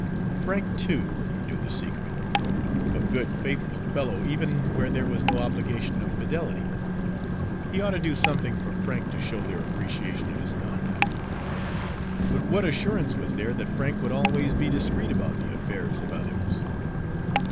Frank, too, knew the secret a good, faithful fellow, even where there was no obligation of fidelity; he ought to do something for Frank to show their appreciation of his conduct. But what assurance was there that Frank would always be discreet about the affairs of others?